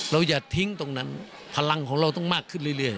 อย่าทิ้งตรงนั้นพลังของเราต้องมากขึ้นเรื่อย